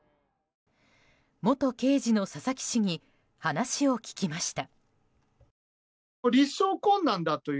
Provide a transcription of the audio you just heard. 元刑事の佐々木氏に話を聞きました。